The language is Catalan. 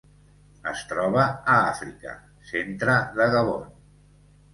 Es troba a Àfrica: centre de Gabon.